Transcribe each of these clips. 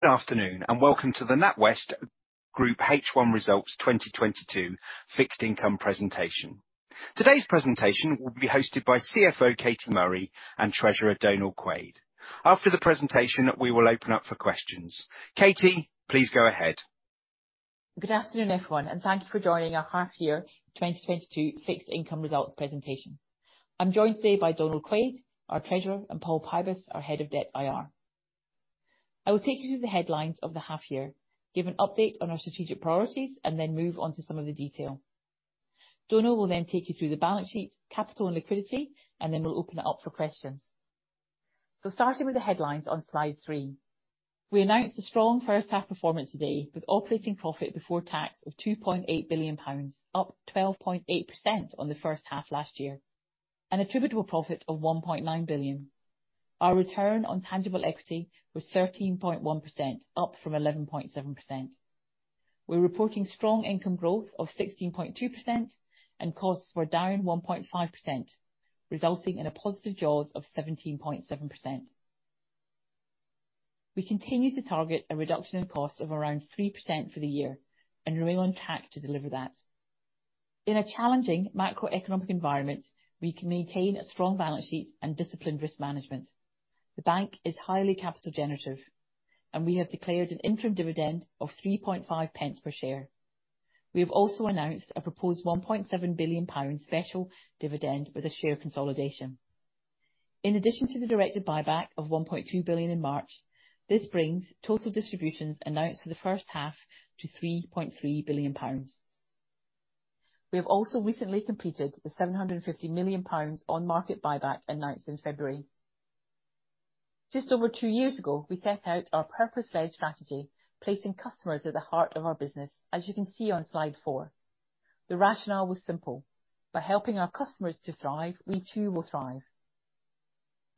Good afternoon, and welcome to the NatWest Group H1 Results 2022 Fixed Income Presentation. Today's presentation will be hosted by CFO Katie Murray and Treasurer Donal Quaid. After the presentation, we will open up for questions. Katie, please go ahead. Good afternoon, everyone, and thank you for joining our half year 2022 Fixed Income Results presentation. I'm joined today by Donal Quaid, our treasurer, and Paul Pybus, our head of Debt IR. I will take you through the headlines of the half year, give an update on our strategic priorities, and then move on to some of the detail. Donal will then take you through the balance sheet, capital and liquidity, and then we'll open it up for questions. Starting with the headlines on Slide three. We announced a strong first half performance today, with operating profit before tax of 2.8 billion pounds, up 12.8% on the first half last year, and attributable profit of 1.9 billion. Our return on tangible equity was 13.1%, up from 11.7%. We're reporting strong income growth of 16.2% and costs were down 1.5%, resulting in a positive jaws of 17.7%. We continue to target a reduction in costs of around 3% for the year and remain on track to deliver that. In a challenging macroeconomic environment, we can maintain a strong balance sheet and disciplined risk management. The bank is highly capital generative, and we have declared an interim dividend of 3.5 pence per share. We have also announced a proposed 1.7 billion pounds special dividend with a share consolidation. In addition to the directed buyback of 1.2 billion in March, this brings total distributions announced for the first half to 3.3 billion pounds. We have also recently completed the 750 million pounds on market buyback announced in February. Just over two years ago, we set out our purpose-led strategy, placing customers at the heart of our business, as you can see on Slide four. The rationale was simple. By helping our customers to thrive, we too will thrive.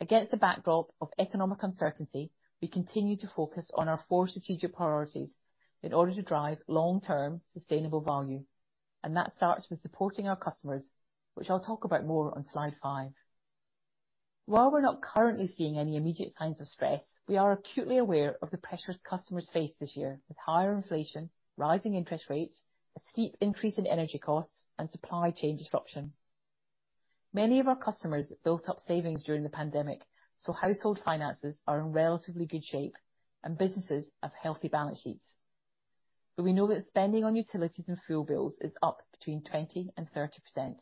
Against the backdrop of economic uncertainty, we continue to focus on our four strategic priorities in order to drive long-term sustainable value, and that starts with supporting our customers, which I'll talk about more on Slide five. While we're not currently seeing any immediate signs of stress, we are acutely aware of the pressures customers face this year with higher inflation, rising interest rates, a steep increase in energy costs, and supply chain disruption. Many of our customers built up savings during the pandemic, so household finances are in relatively good shape, and businesses have healthy balance sheets. We know that spending on utilities and fuel bills is up between 20% and 30%,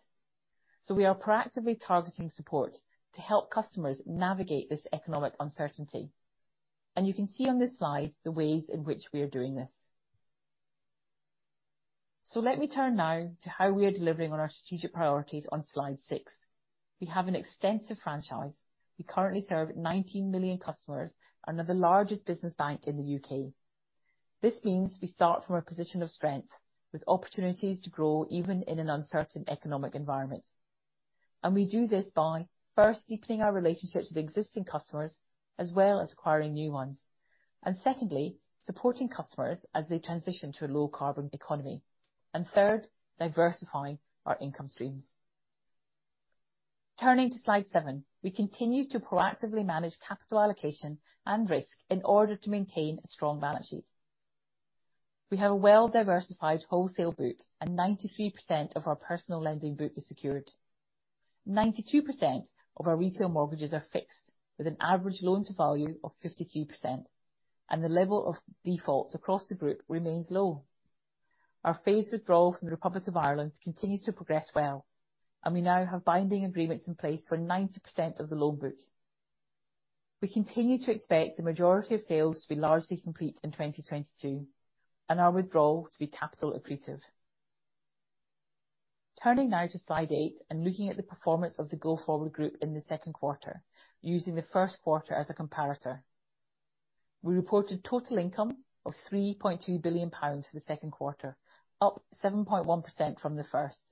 so we are proactively targeting support to help customers navigate this economic uncertainty. You can see on this slide the ways in which we are doing this. Let me turn now to how we are delivering on our strategic priorities on Slide six. We have an extensive franchise. We currently serve 19 million customers and are the largest business bank in the U.K. This means we start from a position of strength with opportunities to grow even in an uncertain economic environment. We do this by first deepening our relationships with existing customers, as well as acquiring new ones. Secondly, supporting customers as they transition to a low carbon economy. Third, diversifying our income streams. Turning to Slide seven, we continue to proactively manage capital allocation and risk in order to maintain a strong balance sheet. We have a well-diversified wholesale book and 93% of our personal lending book is secured. 92% of our retail mortgages are fixed with an average loan to value of 53%, and the level of defaults across the group remains low. Our phased withdrawal from the Republic of Ireland continues to progress well, and we now have binding agreements in place for 90% of the loan book. We continue to expect the majority of sales to be largely complete in 2022 and our withdrawal to be capital accretive. Turning now to Slide eight and looking at the performance of the go forward group in the second quarter using the first quarter as a comparator. We reported total income of 3.2 billion pounds for the second quarter, up 7.1% from the first.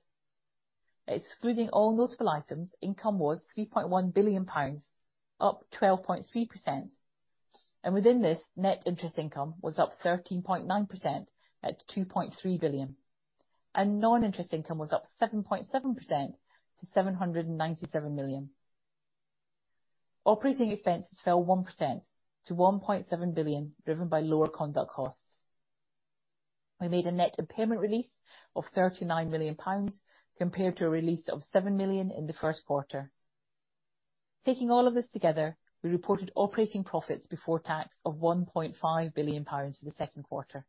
Excluding all notable items, income was 3.1 billion pounds, up 12.3%. Within this, net interest income was up 13.9% at 2.3 billion, and non-interest income was up 7.7% to 797 million. Operating expenses fell 1% to 1.7 billion, driven by lower conduct costs. We made a net impairment release of 39 million pounds compared to a release of 7 million in the first quarter. Taking all of this together, we reported operating profits before tax of 1.5 billion pounds for the second quarter.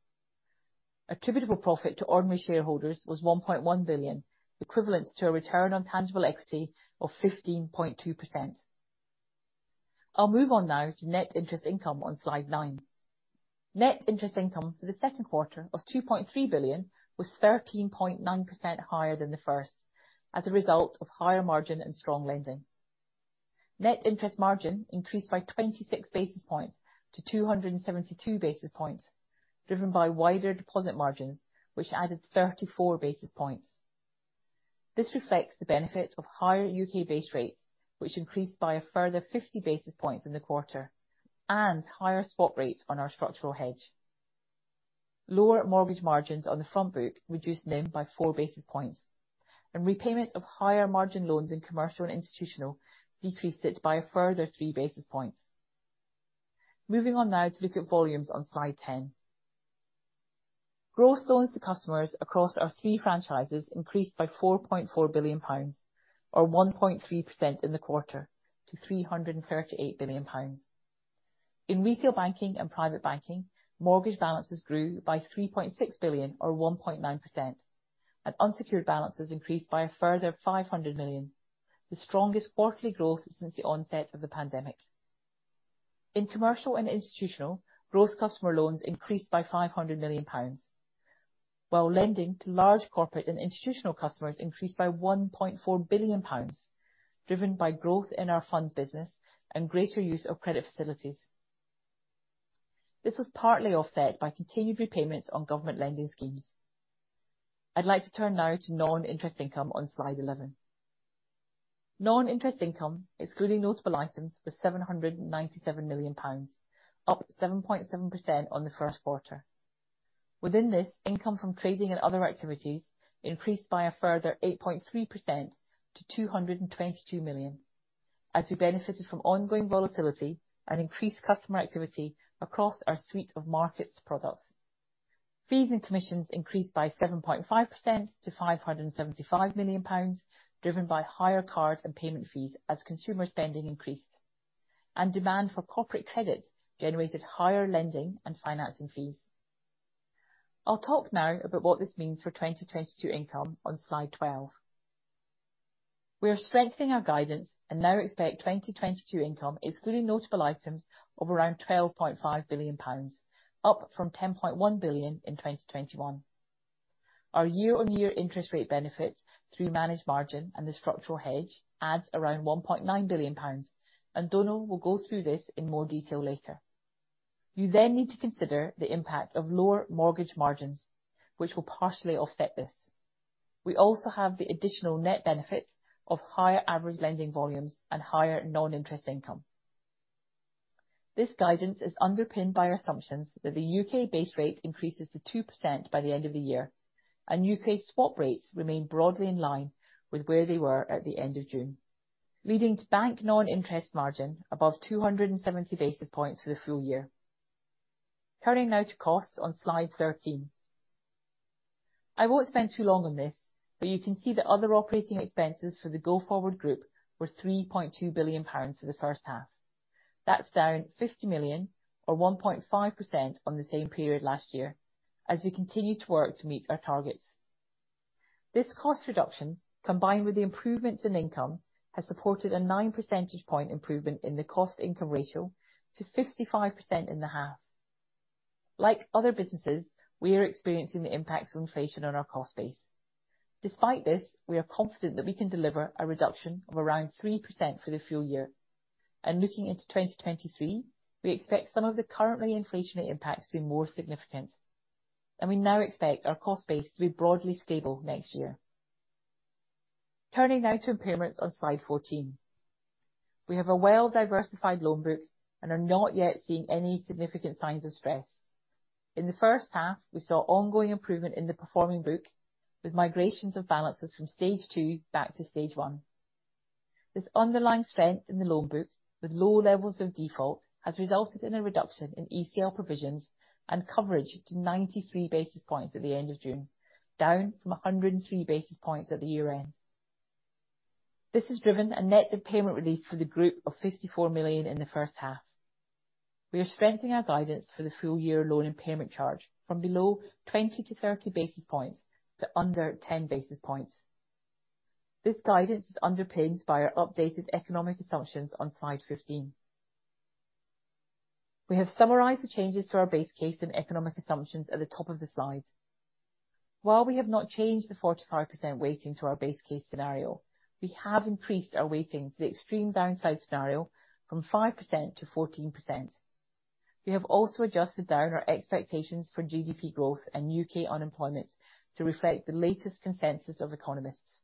Attributable profit to ordinary shareholders was 1.1 billion, equivalent to a return on tangible equity of 15.2%. I'll move on now to net interest income on Slide nine. Net interest income for the second quarter of 2.3 billion was 13.9% higher than the first as a result of higher margin and strong lending. Net interest margin increased by 26 basis points to 272 basis points, driven by wider deposit margins, which added 34 basis points. This reflects the benefit of higher UK base rates, which increased by a further 50 basis points in the quarter and higher spot rates on our structural hedge. Lower mortgage margins on the front book reduced NIM by 4 basis points. Repayment of higher margin loans in commercial and institutional decreased it by a further 3 basis points. Moving on now to look at volumes on Slide 10. Gross loans to customers across our three franchises increased by 4.4 billion pounds, or 1.3% in the quarter, to 338 billion pounds. In retail banking and private banking, mortgage balances grew by 3.6 billion, or 1.9%. Unsecured balances increased by a further 500 million, the strongest quarterly growth since the onset of the pandemic. In commercial and institutional, gross customer loans increased by 500 million pounds, while lending to large corporate and institutional customers increased by 1.4 billion pounds, driven by growth in our funds business and greater use of credit facilities. This was partly offset by continued repayments on government lending schemes. I'd like to turn now to non-interest income on Slide 11. Non-interest income, excluding notable items, was 797 million pounds, up 7.7% on the first quarter. Within this, income from trading and other activities increased by a further 8.3% to 222 million as we benefited from ongoing volatility and increased customer activity across our suite of markets products. Fees and commissions increased by 7.5% to 575 million pounds, driven by higher card and payment fees as consumer spending increased. Demand for corporate credit generated higher lending and financing fees. I'll talk now about what this means for 2022 income on Slide 12. We are strengthening our guidance and now expect 2022 income excluding notable items of around 12.5 billion pounds, up from 10.1 billion in 2021. Our year-on-year interest rate benefits through managed margin and the structural hedge adds around 1.9 billion pounds. Donal will go through this in more detail later. You then need to consider the impact of lower mortgage margins, which will partially offset this. We also have the additional net benefit of higher average lending volumes and higher non-interest income. This guidance is underpinned by our assumptions that the UK base rate increases to 2% by the end of the year, and UK swap rates remain broadly in line with where they were at the end of June, leading to net interest margin above 270 basis points for the full year. Turning now to costs on Slide 13. I won't spend too long on this, but you can see that other operating expenses for the go-forward group were 3.2 billion pounds for the first half. That's down 50 million or 1.5% on the same period last year, as we continue to work to meet our targets. This cost reduction, combined with the improvements in income, has supported a 9 percentage point improvement in the cost-income ratio to 55% in the half. Like other businesses, we are experiencing the impacts of inflation on our cost base. Despite this, we are confident that we can deliver a reduction of around 3% for the full year. Looking into 2023, we expect some of the currently inflationary impacts to be more significant, and we now expect our cost base to be broadly stable next year. Turning now to impairments on Slide 14. We have a well-diversified loan book and are not yet seeing any significant signs of stress. In the first half, we saw ongoing improvement in the performing book, with migrations of balances from stage two back to stage one. This underlying strength in the loan book with low levels of default has resulted in a reduction in ECL provisions and coverage to 93 basis points at the end of June, down from 103 basis points at the year-end. This has driven a net impairment release for the group of 54 million in the first half. We are strengthening our guidance for the full year loan impairment charge from below 20 to 30 basis points to under 10 basis points. This guidance is underpinned by our updated economic assumptions on Slide 15. We have summarized the changes to our base case and economic assumptions at the top of the slide. While we have not changed the 45% weighting to our base case scenario, we have increased our weighting to the extreme downside scenario from 5% to 14%. We have also adjusted down our expectations for GDP growth and UK unemployment to reflect the latest consensus of economists.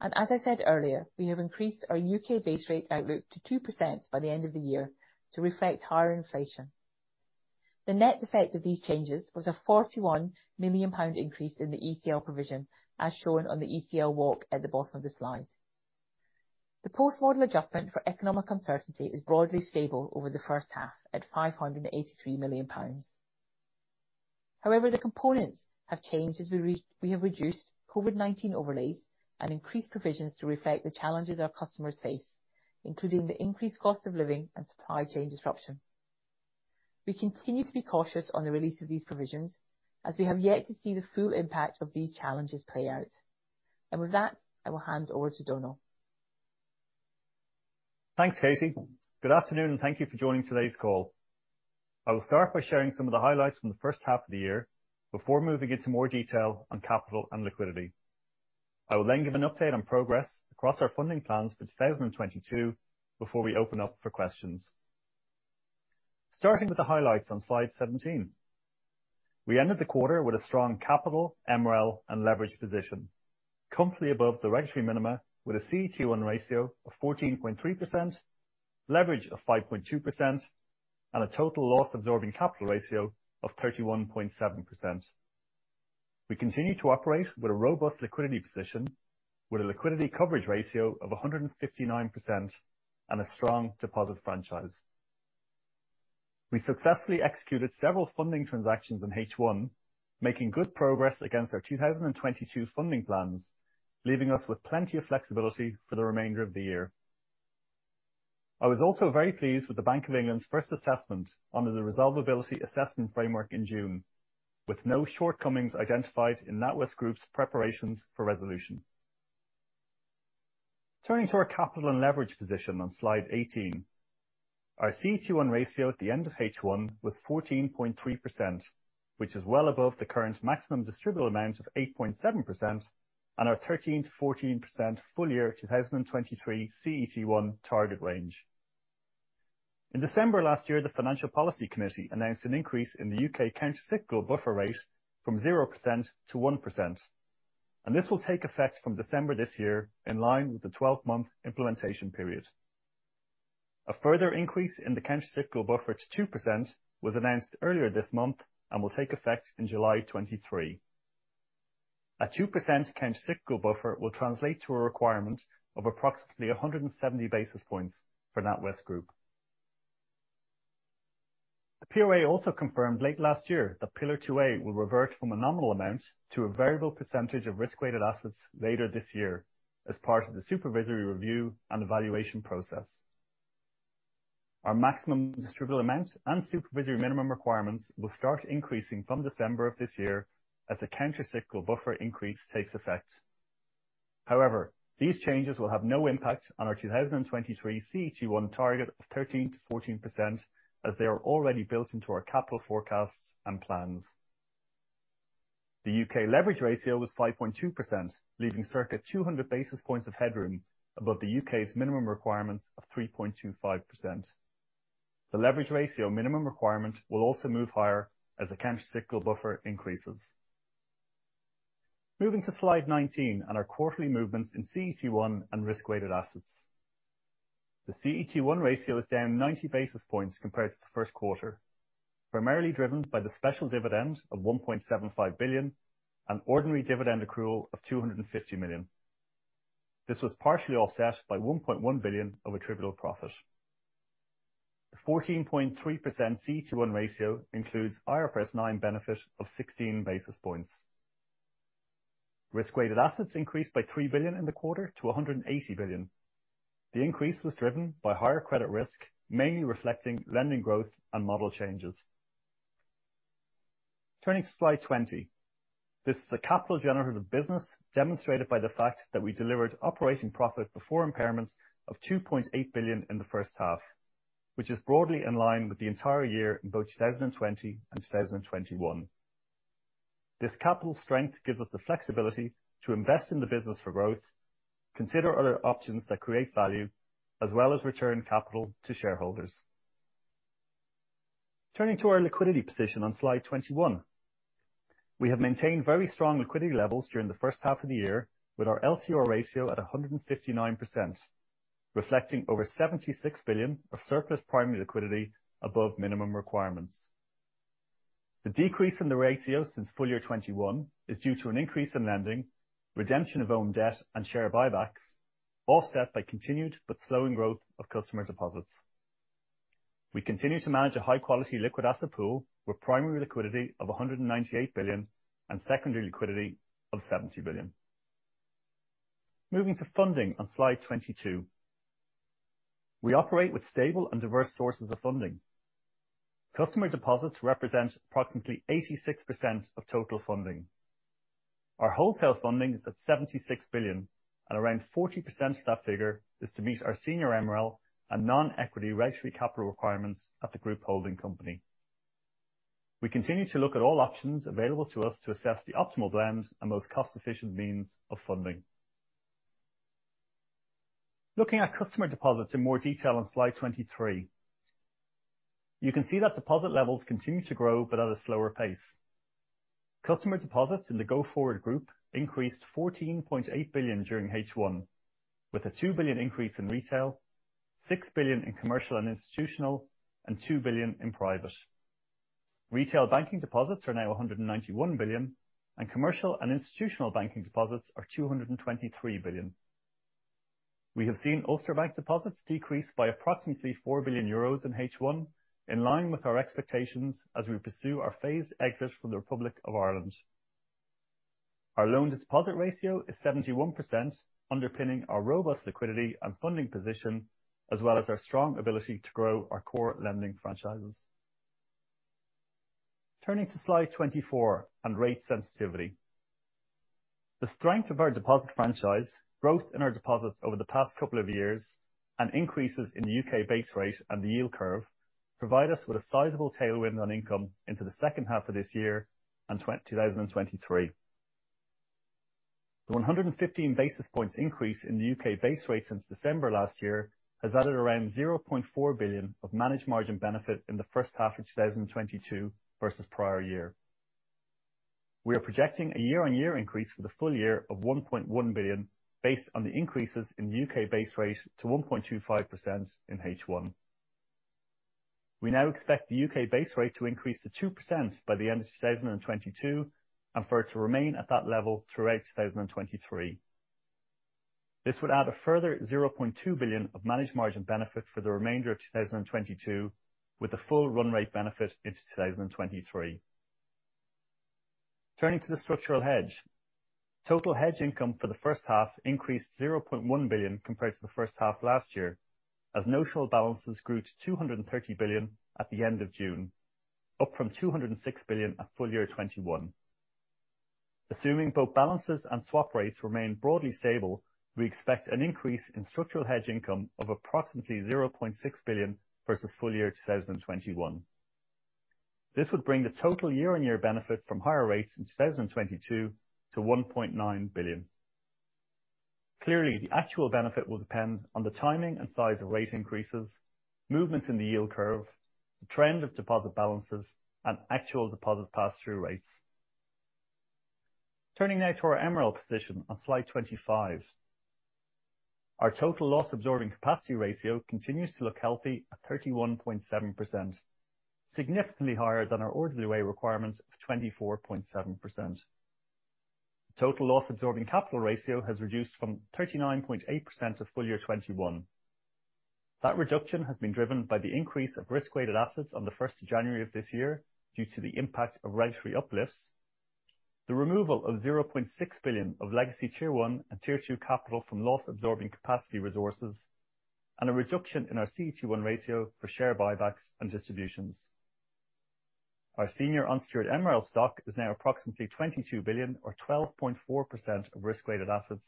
As I said earlier, we have increased our UK base rate outlook to 2% by the end of the year to reflect higher inflation. The net effect of these changes was a GBP 41 million increase in the ECL provision, as shown on the ECL walk at the bottom of the slide. The post-model adjustment for economic uncertainty is broadly stable over the first half at 583 million pounds. However, the components have changed as we have reduced COVID-19 overlays and increased provisions to reflect the challenges our customers face, including the increased cost of living and supply chain disruption. We continue to be cautious on the release of these provisions, as we have yet to see the full impact of these challenges play out. With that, I will hand over to Donal. Thanks, Katie. Good afternoon, and thank you for joining today's call. I will start by sharing some of the highlights from the first half of the year before moving into more detail on capital and liquidity. I will then give an update on progress across our funding plans for 2022 before we open up for questions. Starting with the highlights on Slide 17. We ended the quarter with a strong capital MREL and leverage position, comfortably above the regulatory minima, with a CET1 ratio of 14.3%. Leverage of 5.2% and a total loss absorbing capital ratio of 31.7%. We continue to operate with a robust liquidity position with a liquidity coverage ratio of 159% and a strong deposit franchise. We successfully executed several funding transactions in H1, making good progress against our 2022 funding plans, leaving us with plenty of flexibility for the remainder of the year. I was also very pleased with the Bank of England's first assessment under the Resolvability Assessment Framework in June, with no shortcomings identified in NatWest Group's preparations for resolution. Turning to our capital and leverage position on Slide 18. Our CET1 ratio at the end of H1 was 14.3%, which is well above the current maximum distributable amount of 8.7% and our 13%-14% full year 2023 CET1 target range. In December last year, the Financial Policy Committee announced an increase in the UK countercyclical buffer rate from 0% to 1%, and this will take effect from December this year, in line with the 12-month implementation period. A further increase in the countercyclical buffer to 2% was announced earlier this month and will take effect in July 2023. A 2% countercyclical buffer will translate to a requirement of approximately 170 basis points for NatWest Group. The PRA also confirmed late last year that Pillar 2A will revert from a nominal amount to a variable percentage of risk-weighted assets later this year as part of the Supervisory Review and Evaluation Process. Our maximum distributable amount and supervisory minimum requirements will start increasing from December of this year as the countercyclical buffer increase takes effect. However, these changes will have no impact on our 2023 CET1 target of 13%-14%, as they are already built into our capital forecasts and plans. The UK leverage ratio was 5.2%, leaving circa 200 basis points of headroom above the UK's minimum requirements of 3.25%. The leverage ratio minimum requirement will also move higher as the countercyclical buffer increases. Moving to Slide 19 on our quarterly movements in CET1 and risk-weighted assets. The CET1 ratio is down 90 basis points compared to the first quarter, primarily driven by the special dividend of 1.75 billion and ordinary dividend accrual of 250 million. This was partially offset by 1.1 billion of attributable profit. The 14.3% CET1 ratio includes IFRS 9 benefit of 16 basis points. Risk-weighted assets increased by 3 billion in the quarter to 180 billion. The increase was driven by higher credit risk, mainly reflecting lending growth and model changes. Turning to Slide 20. This is a capital generative business demonstrated by the fact that we delivered operating profit before impairments of 2.8 billion in the first half, which is broadly in line with the entire year in both 2020 and 2021. This capital strength gives us the flexibility to invest in the business for growth, consider other options that create value, as well as return capital to shareholders. Turning to our liquidity position on Slide 21. We have maintained very strong liquidity levels during the first half of the year, with our LCR ratio at 159%, reflecting over 76 billion of surplus primary liquidity above minimum requirements. The decrease in the ratio since full year 2021 is due to an increase in lending, redemption of own debt, and share buybacks, offset by continued but slowing growth of customer deposits. We continue to manage a high quality liquid asset pool with primary liquidity of 198 billion and secondary liquidity of 70 billion. Moving to funding on Slide 22. We operate with stable and diverse sources of funding. Customer deposits represent approximately 86% of total funding. Our wholesale funding is at 76 billion, and around 40% of that figure is to meet our senior MREL and non-equity regulatory capital requirements at the group holding company. We continue to look at all options available to us to assess the optimal blend and most cost efficient means of funding. Looking at customer deposits in more detail on Slide 23. You can see that deposit levels continue to grow but at a slower pace. Customer deposits in the go-forward group increased 14.8 billion during H1, with a 2 billion increase in retail, 6 billion in commercial and institutional, and 2 billion in private. Retail banking deposits are now 191 billion, and commercial and institutional banking deposits are 223 billion. We have seen Ulster Bank deposits decrease by approximately 4 billion euros in H1, in line with our expectations as we pursue our phased exit from the Republic of Ireland. Our loan to deposit ratio is 71%, underpinning our robust liquidity and funding position, as well as our strong ability to grow our core lending franchises. Turning to Slide 24 on rate sensitivity. The strength of our deposit franchise growth in our deposits over the past couple of years, and increases in the UK base rate and the yield curve provide us with a sizable tailwind on income into the second half of this year and 2023. The 115 basis points increase in the UK base rate since December last year has added around 0.4 billion of managed margin benefit in the first half of 2022 versus prior year. We are projecting a year-on-year increase for the full year of 1.1 billion based on the increases in UK base rate to 1.25% in H1. We now expect the UK base rate to increase to 2% by the end of 2022, and for it to remain at that level throughout 2023. This would add a further 0.2 billion of managed margin benefit for the remainder of 2022, with the full run rate benefit into 2023. Turning to the structural hedge. Total hedge income for the first half increased 0.1 billion compared to the first half last year as notional balances grew to 230 billion at the end of June, up from 206 billion at full year 2021. Assuming both balances and swap rates remain broadly stable, we expect an increase in structural hedge income of approximately 0.6 billion versus full year 2021. This would bring the total year-on-year benefit from higher rates in 2022 to 1.9 billion. Clearly, the actual benefit will depend on the timing and size of rate increases, movements in the yield curve, the trend of deposit balances, and actual deposit pass-through rates. Turning now to our MREL position on Slide 25. Our total loss absorbing capacity ratio continues to look healthy at 31.7%, significantly higher than our RWA requirement of 24.7%. Total loss absorbing capital ratio has reduced from 39.8% to full year 2021. That reduction has been driven by the increase of risk-weighted assets on the first of January of this year due to the impact of regulatory uplifts, the removal of $0.6 billion of legacy Tier 1 and Tier 2 capital from loss absorbing capacity resources, and a reduction in our CET1 ratio for share buybacks and distributions. Our senior unsecured MREL stock is now approximately 22 billion or 12.4% of risk weighted assets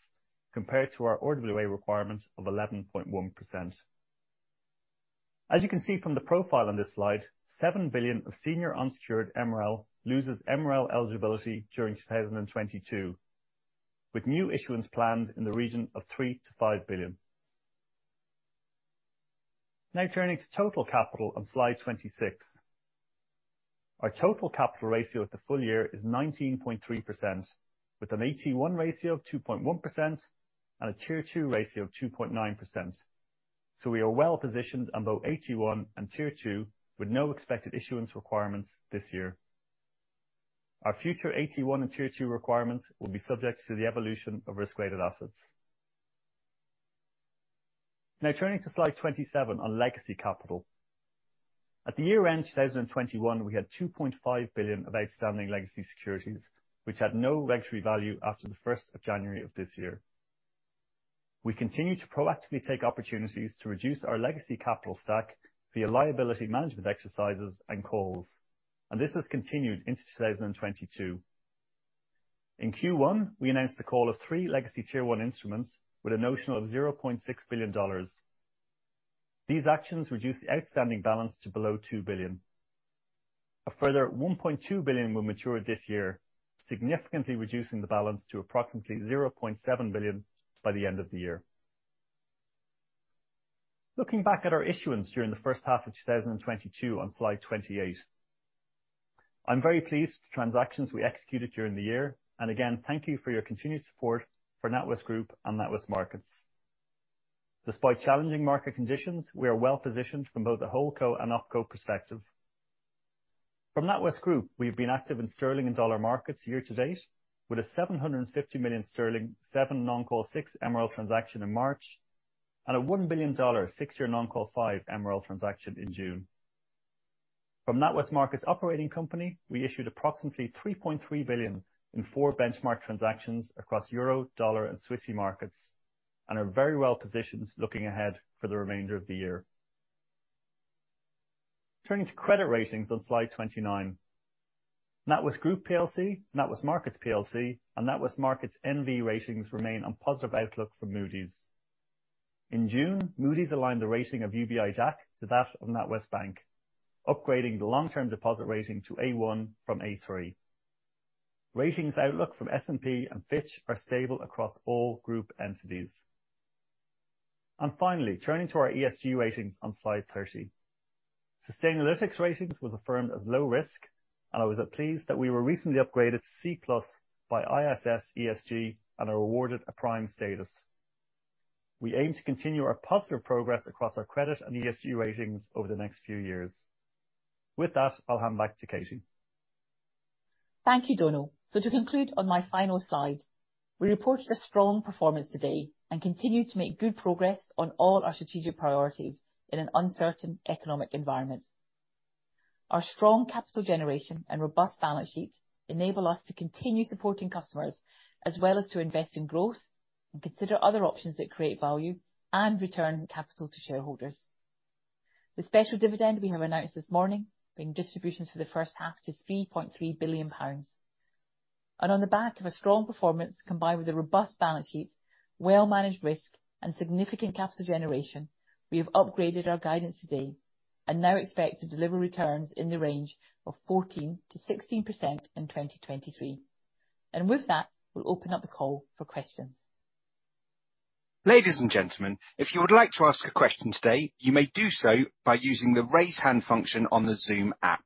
compared to our RWA requirement of 11.1%. As you can see from the profile on this slide, 7 billion of senior unsecured MREL loses MREL eligibility during 2022, with new issuance plans in the region of 3 billion-5 billion. Now turning to total capital on Slide 26. Our total capital ratio at the full year is 19.3% with an AT1 ratio of 2.1% and a Tier 2 ratio of 2.9%. We are well positioned on both AT1 and Tier 2 with no expected issuance requirements this year. Our future AT1 and Tier 2 requirements will be subject to the evolution of risk-weighted assets. Now turning to Slide 27 on legacy capital. At the year-end 2021, we had 2.5 billion of outstanding legacy securities, which had no regulatory value after the first of January of this year. We continue to proactively take opportunities to reduce our legacy capital stack via liability management exercises and calls, and this has continued into 2022. In Q1, we announced the call of 3 legacy Tier 1 instruments with a notional of $0.6 billion. These actions reduce the outstanding balance to below $2 billion. A further $1.2 billion will mature this year, significantly reducing the balance to approximately $0.7 billion by the end of the year. Looking back at our issuance during the first half of 2022 on Slide 28. I'm very pleased with the transactions we executed during the year. Again, thank you for your continued support for NatWest Group and NatWest Markets. Despite challenging market conditions, we are well positioned from both a HoldCo and OpCo perspective. From NatWest Group, we've been active in sterling and dollar markets year to date with a 750 million sterling 7 non-call 6 MREL transaction in March, and a $1 billion 6-year non-call 5 MREL transaction in June. From NatWest Markets operating company, we issued approximately 3.3 billion in 4 benchmark transactions across euro, dollar, and Swissy markets, and are very well positioned looking ahead for the remainder of the year. Turning to credit ratings on Slide 29. NatWest Group plc, NatWest Markets Plc, and NatWest Markets N.V. ratings remain on positive outlook for Moody's. In June, Moody's aligned the rating of Ulster Bank Ireland DAC to that of National Westminster Bank, upgrading the long-term deposit rating to A1 from A3. Ratings outlook from S&P and Fitch are stable across all group entities. Finally, turning to our ESG ratings on Slide 30. Sustainalytics ratings was affirmed as low risk, and I was pleased that we were recently upgraded to C plus by ISS ESG and are awarded a prime status. We aim to continue our positive progress across our credit and ESG ratings over the next few years. With that, I'll hand back to Katie. Thank you, Donal. To conclude on my final slide, we reported a strong performance today and continue to make good progress on all our strategic priorities in an uncertain economic environment. Our strong capital generation and robust balance sheet enable us to continue supporting customers as well as to invest in growth and consider other options that create value and return capital to shareholders. The special dividend we have announced this morning, bringing distributions for the first half to 3.3 billion pounds. On the back of a strong performance combined with a robust balance sheet, well managed risk, and significant capital generation, we have upgraded our guidance today and now expect to deliver returns in the range of 14%-16% in 2023. With that, we'll open up the call for questions. Ladies and gentlemen, if you would like to ask a question today, you may do so by using the Raise Hand function on the Zoom app.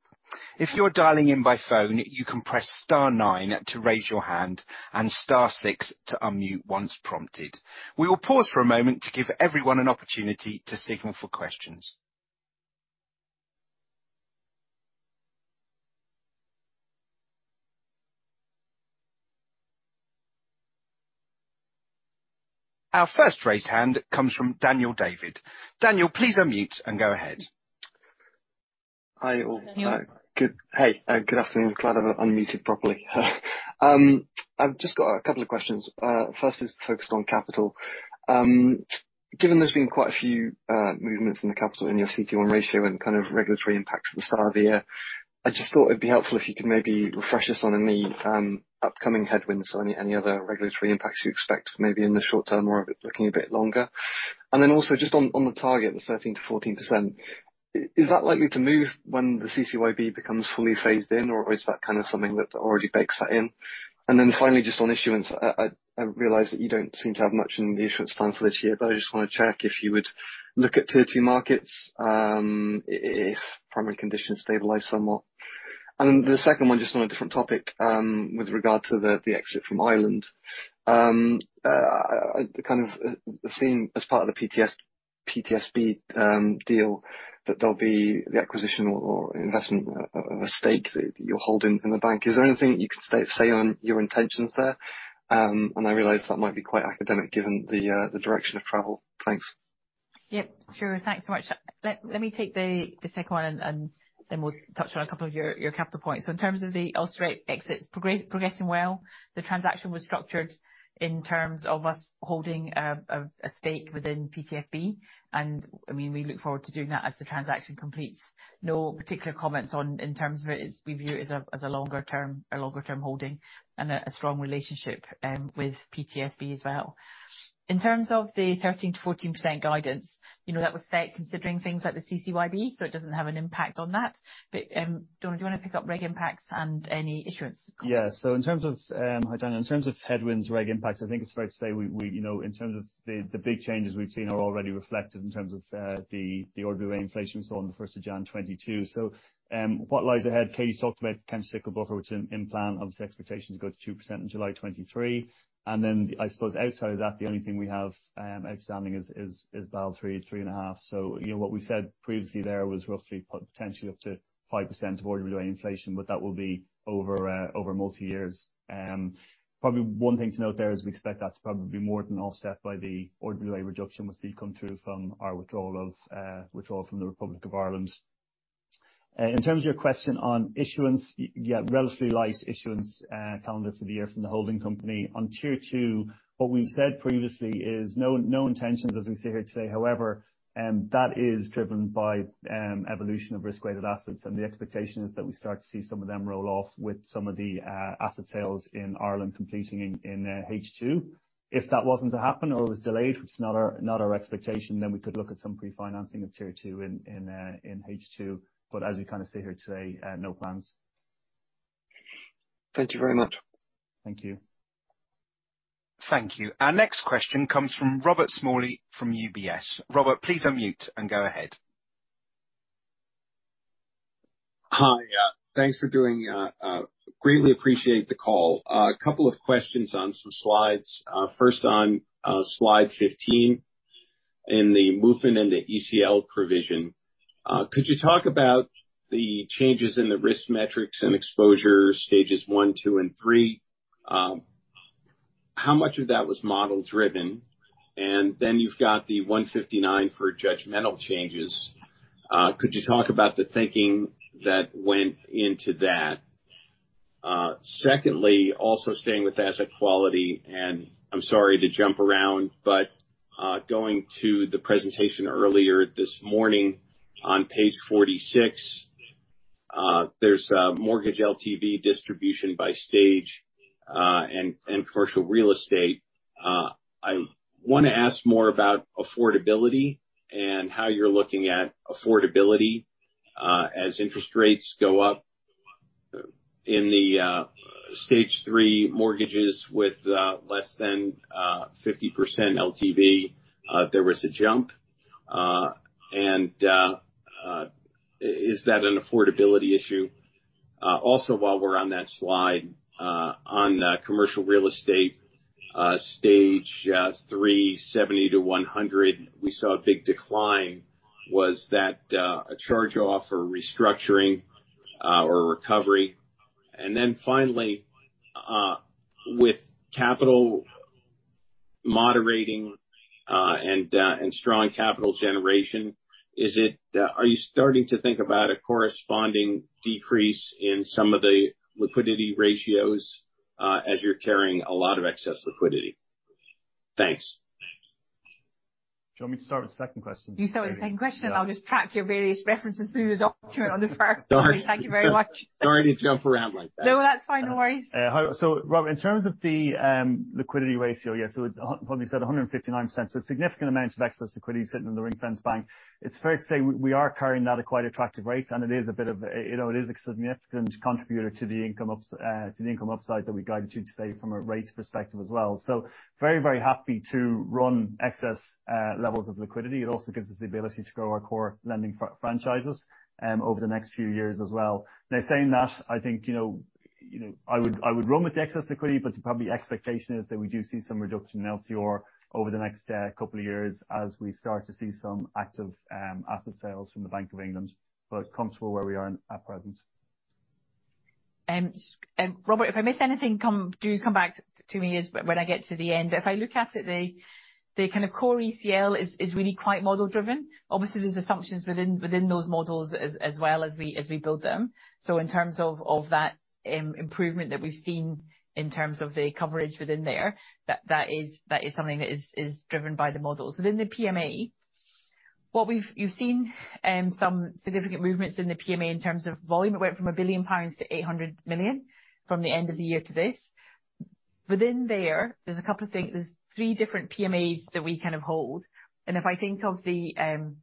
If you're dialing in by phone, you can press star nine to raise your hand and star six to unmute once prompted. We will pause for a moment to give everyone an opportunity to signal for questions. Our first raised hand comes from Daniel David. Daniel, please unmute and go ahead. Hi, all. Daniel. Good afternoon. Glad I've unmuted properly. I've just got a couple of questions. First is focused on capital. Given there's been quite a few movements in the capital, in your CET1 ratio and kind of regulatory impacts at the start of the year, I just thought it'd be helpful if you could maybe refresh us on any upcoming headwinds or any other regulatory impacts you expect, maybe in the short term or looking a bit longer. Also just on the target, the 13%-14%, is that likely to move when the CCYB becomes fully phased in, or is that kind of something that already bakes that in? Finally, just on issuance. I realize that you don't seem to have much in the issuance plan for this year, but I just wanna check if you would look at Tier 2 markets, if primary conditions stabilize somewhat. The second one, just on a different topic, with regard to the exit from Ireland. I kind of have seen as part of the Permanent TSB deal, that there'll be the acquisition or investment of a stake that you're holding in the bank. Is there anything you can say on your intentions there? I realize that might be quite academic given the direction of travel. Thanks. Yep, sure. Thanks so much. Let me take the second one and then we'll touch on a couple of your capital points. In terms of the Ulster Bank exit, it's progressing well. The transaction was structured in terms of us holding a stake within PTSB. I mean, we look forward to doing that as the transaction completes. No particular comments on in terms of it. We view it as a longer term holding and a strong relationship with PTSB as well. In terms of the 13%-14% guidance, you know that was set considering things like the CCYB, so it doesn't have an impact on that. Donald, do you wanna pick up reg impacts and any issuance? Yeah. In terms of hi Daniel, in terms of headwinds, reg impacts, I think it's fair to say we you know, in terms of the big changes we've seen are already reflected in terms of the RWA inflation we saw on the first of January 2022. What lies ahead, Katie talked about countercyclical buffer, which in plan obviously expectation to go to 2% in July 2023. I suppose outside of that, the only thing we have outstanding is Basel 3.1. You know, what we said previously there was roughly potentially up to 5% of RWA inflation, but that will be over multi years. Probably one thing to note there is we expect that to probably be more than offset by the RWA reduction we see come through from our withdrawal from the Republic of Ireland. In terms of your question on issuance, yeah, relatively light issuance calendar for the year from the holding company. On tier two, what we've said previously is no intentions as we sit here today. However, that is driven by evolution of risk-weighted assets, and the expectation is that we start to see some of them roll off with some of the asset sales in Ireland completing in H2. If that wasn't to happen or it was delayed, it's not our expectation, then we could look at some pre-financing of tier two in H2. As we kind of sit here today, no plans. Thank you very much. Thank you. Thank you. Our next question comes from Robert Smalley from UBS. Robert, please unmute and go ahead. Hi. Yeah, thanks for doing, greatly appreciate the call. A couple of questions on some slides. First on Slide 15, in the movement in the ECL provision. Could you talk about the changes in the risk metrics and exposure stages 1, 2, and 3? How much of that was model driven? You've got the 159 for judgmental changes. Could you talk about the thinking that went into that? Secondly, also staying with asset quality, and I'm sorry to jump around, but going to the presentation earlier this morning on page 46, there's a mortgage LTV distribution by stage, and commercial real estate. I wanna ask more about affordability and how you're looking at affordability, as interest rates go up. In the stage three mortgages with less than 50% LTV, there was a jump. Is that an affordability issue? Also, while we're on that slide, on commercial real estate, stage three, 70-100, we saw a big decline. Was that a charge-off or restructuring or recovery? Then finally, with capital moderating and strong capital generation, are you starting to think about a corresponding decrease in some of the liquidity ratios as you're carrying a lot of excess liquidity? Thanks. Do you want me to start with the second question? You start with the second question. I'll just track your various references through the document on the first. Sorry. Thank you very much. Sorry to jump around like that. No, that's fine. No worries. Robert, in terms of the liquidity ratio, yes, it's 159%, so a significant amount of excess liquidity sitting in the ring-fenced bank. It's fair to say we are carrying that at quite attractive rates, and it is a bit of, you know, it is a significant contributor to the income upside that we guided you today from a rate perspective as well. Very happy to run excess levels of liquidity. It also gives us the ability to grow our core lending franchises over the next few years as well. Now, saying that, I think, you know, I would run with the excess liquidity, but probably expectation is that we do see some reduction in LCR over the next couple of years as we start to see some active asset sales from the Bank of England. Comfortable where we are at present. Robert, if I miss anything, come back to me when I get to the end. If I look at it, the kind of core ECL is really quite model driven. Obviously, there's assumptions within those models as well as we build them. In terms of that improvement that we've seen in terms of the coverage within there, that is something that is driven by the models. Within the PMA, what you've seen, some significant movements in the PMA in terms of volume. It went from 1 billion pounds to 800 million from the end of the year to this. Within there's a couple of things. There's three different PMAs that we kind of hold. If I think of the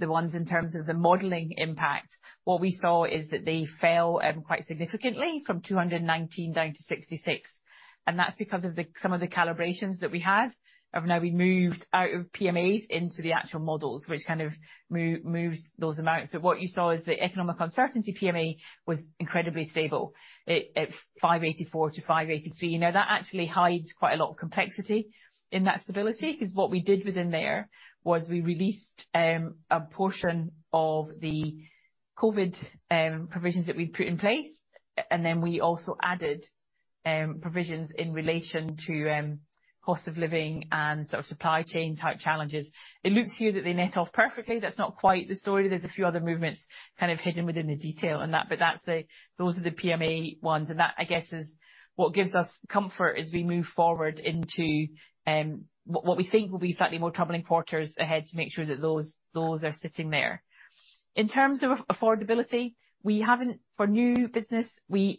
ones in terms of the modeling impact, what we saw is that they fell quite significantly from 219 down to 66. That's because of some of the calibrations that we now have. We moved out of PMAs into the actual models which kind of moves those amounts. What you saw is the economic uncertainty PMA was incredibly stable. It 584-583. You know, that actually hides quite a lot of complexity in that stability. 'Cause what we did within there was we released a portion of the COVID provisions that we'd put in place, and then we also added provisions in relation to cost of living and sort of supply chain type challenges. It looks here that they net off perfectly. That's not quite the story. There's a few other movements kind of hidden within the detail in that. Those are the PMA ones, and that I guess is what gives us comfort as we move forward into what we think will be slightly more troubling quarters ahead to make sure that those are sitting there. In terms of affordability, we haven't. For new business, we haven't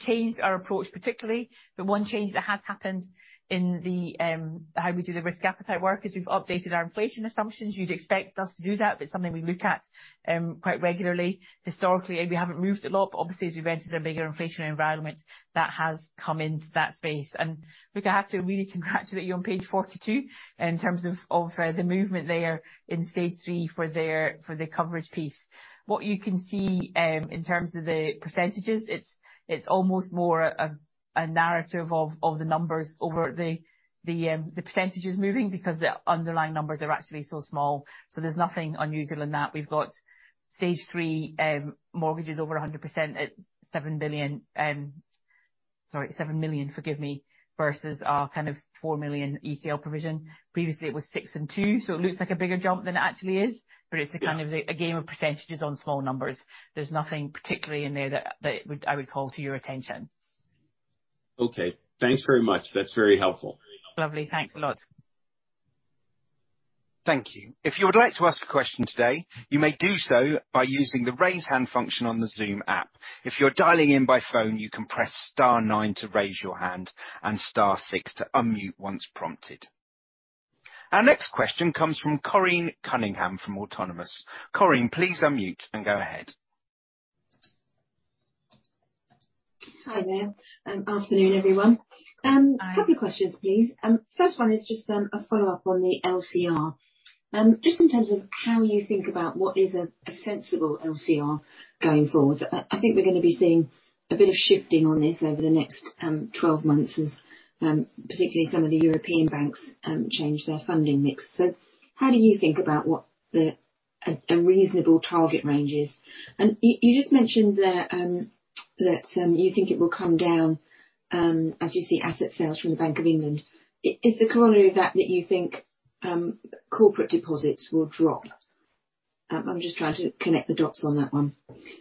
changed our approach particularly. One change that has happened in the how we do the risk appetite work is we've updated our inflation assumptions. You'd expect us to do that, but it's something we look at quite regularly. Historically, we haven't moved a lot, but obviously as we've entered a bigger inflationary environment, that has come into that space. Robert Begbie, I have to really congratulate you on page 42 in terms of the movement there in stage three for the coverage piece. What you can see in terms of the percentages, it's almost more a narrative of the numbers over the percentages moving because the underlying numbers are actually so small. So there's nothing unusual in that. We've got stage three mortgages over 100% at 7 million versus our kind of 4 million ECL provision. Previously it was 6 million and 2 million, so it looks like a bigger jump than it actually is. Yeah. It's a kind of a game of percentages on small numbers. There's nothing particularly in there that I would call to your attention. Okay. Thanks very much. That's very helpful. Lovely. Thanks a lot. Thank you. If you would like to ask a question today, you may do so by using the raise hand function on the Zoom app. If you're dialing in by phone, you can press star nine to raise your hand and star six to unmute once prompted. Our next question comes from Corinne Cunningham from Autonomous. Corinne, please unmute and go ahead. Hi there, good afternoon, everyone. Hi. A couple of questions, please. First one is just a follow-up on the LCR. Just in terms of how you think about what is a sensible LCR going forward. I think we're gonna be seeing a bit of shifting on this over the next 12 months as particularly some of the European banks change their funding mix. How do you think about what a reasonable target range is? You just mentioned there that you think it will come down as you see asset sales from the Bank of England. Is the corollary of that that you think corporate deposits will drop? I'm just trying to connect the dots on that one.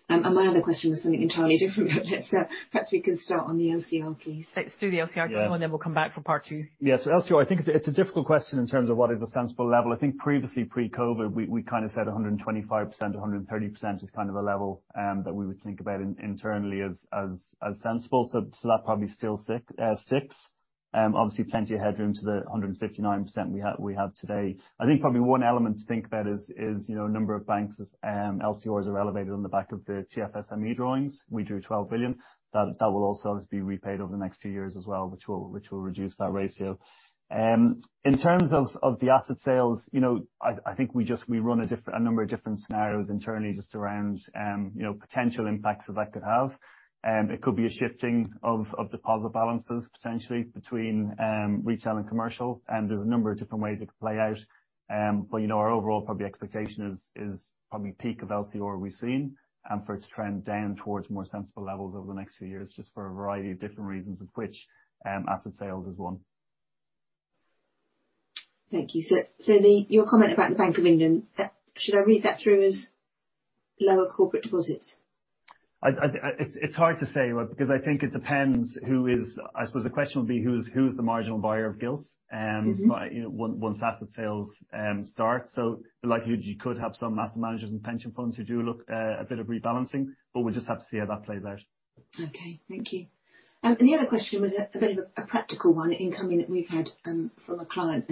My other question was something entirely different, but let's perhaps we can start on the LCR, please. Let's do the LCR. Yeah. then we'll come back for part two. Yeah. LCR, I think it's a difficult question in terms of what is a sensible level. I think previously pre-COVID, we kind of said 125% to 130% is kind of a level that we would think about internally as sensible. That probably still sticks. Obviously plenty of headroom to the 159% we have today. I think probably one element to think about is, you know, a number of banks' LCRs are elevated on the back of the TFSME drawings. We drew 12 billion. That will also obviously be repaid over the next two years as well, which will reduce that ratio. In terms of the asset sales, you know, I think we run a number of different scenarios internally just around potential impacts that could have. It could be a shifting of deposit balances potentially between retail and commercial, and there's a number of different ways it could play out. You know, our overall probably expectation is probably peak of LCR we've seen for it to trend down towards more sensible levels over the next few years just for a variety of different reasons, of which asset sales is one. Thank you. Your comment about the Bank of England, should I read that through as lower corporate deposits? It's hard to say, right, because I think it depends who is. I suppose the question would be who's the marginal buyer of gilts. You know, once asset sales start. Likely you could have some asset managers and pension funds who do look at a bit of rebalancing, but we'll just have to see how that plays out. Okay. Thank you. The other question was a bit of a practical one incoming that we've had from a client.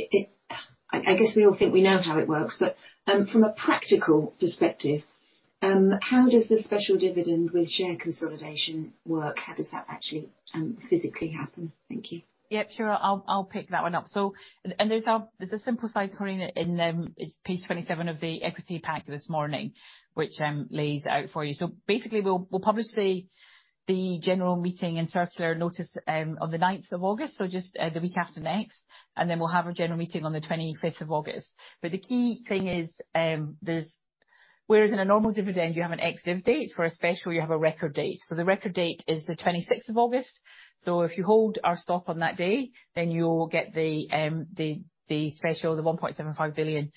I guess we all think we know how it works, but from a practical perspective, how does the special dividend with share consolidation work? How does that actually physically happen? Thank you. Yep, sure. I'll pick that one up. There's a simple slide, Corinne, in page 27 of the equity pack this morning, which lays it out for you. Basically, we'll publish the general meeting and circular notice on the ninth of August, just the week after next. Then we'll have our general meeting on the twenty-sixth of August. The key thing is, whereas in a normal dividend you have an ex-div date, for a special you have a record date. The record date is the twenty-sixth of August. If you hold our stock on that day, then you'll get the special, the 1.75 billion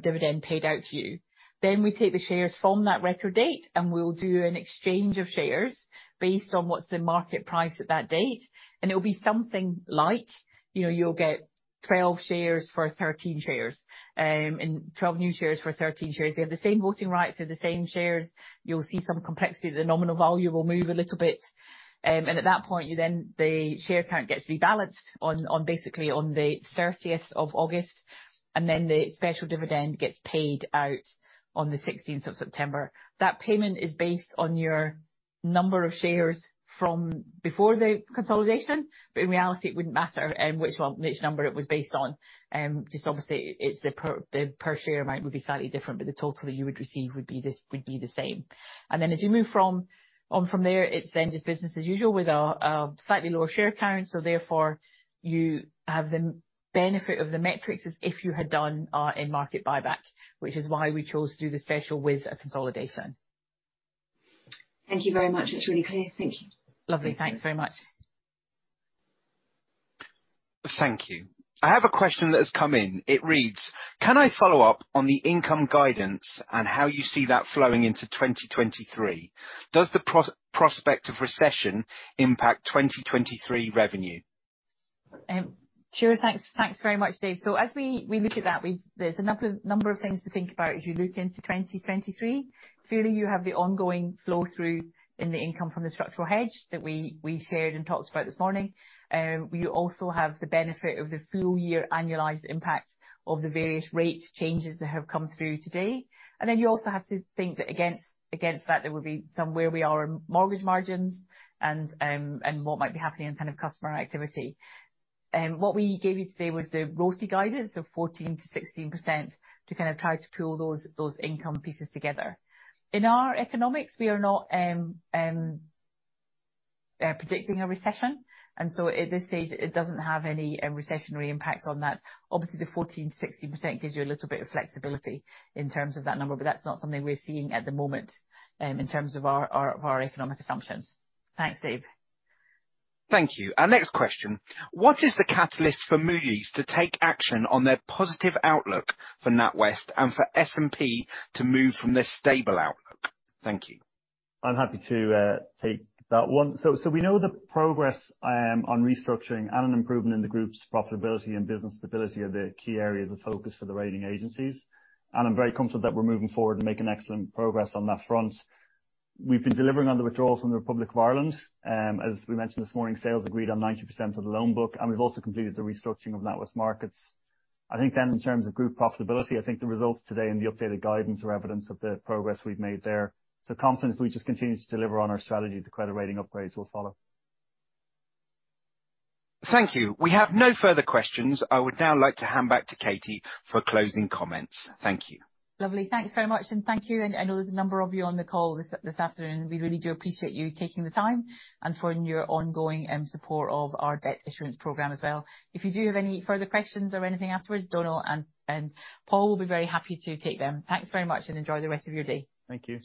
dividend paid out to you. We take the shares from that record date, and we'll do an exchange of shares based on what's the market price at that date. It'll be something like, you know, you'll get 12 shares for 13 shares. 12 new shares for 13 shares. They have the same voting rights. They're the same shares. You'll see some complexity. The nominal value will move a little bit. At that point, the share count gets rebalanced on basically the thirtieth of August, and then the special dividend gets paid out on the sixteenth of September. That payment is based on your number of shares from before the consolidation, but in reality, it wouldn't matter, which number it was based on. Just obviously it's the per share amount would be slightly different, but the total that you would receive would be this, would be the same. Then as you move from there, it's then just business as usual with a slightly lower share count, so therefore you have the main benefit of the metrics as if you had done a market buyback, which is why we chose to do the special with a consolidation. Thank you very much. That's really clear. Thank you. Lovely. Thanks very much. Thank you. I have a question that has come in. It reads: Can I follow up on the income guidance and how you see that flowing into 2023? Does the prospect of recession impact 2023 revenue? Sure. Thanks. Thanks very much, Dave. As we look at that, there's a number of things to think about as you look into 2023. Clearly, you have the ongoing flow-through in the income from the structural hedge that we shared and talked about this morning. We also have the benefit of the full year annualized impact of the various rate changes that have come through to date. You also have to think that against that there will be somewhere we are in mortgage margins and what might be happening in kind of customer activity. What we gave you today was the ROTE guidance of 14%-16% to kind of try to pull those income pieces together. In our economics, we are not predicting a recession, and so at this stage it doesn't have any recessionary impact on that. Obviously, the 14%-16% gives you a little bit of flexibility in terms of that number, but that's not something we're seeing at the moment, in terms of our economic assumptions. Thanks, Dave. Thank you. Our next question: What is the catalyst for Moody's to take action on their positive outlook for NatWest and for S&P to move from their stable outlook? Thank you. I'm happy to take that one. We know the progress on restructuring and an improvement in the group's profitability and business stability are the key areas of focus for the rating agencies, and I'm very confident that we're moving forward and making excellent progress on that front. We've been delivering on the withdrawals from the Republic of Ireland. As we mentioned this morning, sales agreed on 90% of the loan book, and we've also completed the restructuring of NatWest Markets. I think then in terms of group profitability, I think the results today and the updated guidance are evidence of the progress we've made there. Confident if we just continue to deliver on our strategy, the credit rating upgrades will follow. Thank you. We have no further questions. I would now like to hand back to Katie for closing comments. Thank you. Lovely. Thank you so much. Thank you, and I know there's a number of you on the call this afternoon. We really do appreciate you taking the time and for your ongoing support of our debt issuance program as well. If you do have any further questions or anything afterwards, Donal and Paul will be very happy to take them. Thanks very much, and enjoy the rest of your day. Thank you.